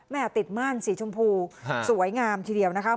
ติดม่านสีชมพูสวยงามทีเดียวนะคะ